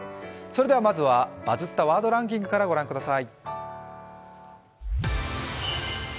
まずは「バズったワードデイリーランキング」から御覧ください。